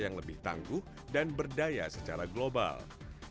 hal tersebut mengurangkan kepentingan mimpi ekonomi